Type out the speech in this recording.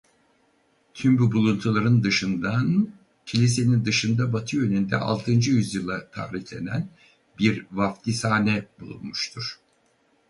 Tüm bu buluntuların dışından kilisenin dışında batı yönünde altıncı yüzyıla tarihlenen bir vaftizhane bulunmuştur.